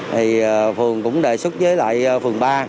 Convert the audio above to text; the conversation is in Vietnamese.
thì phường cũng đề xuất với lại phường ba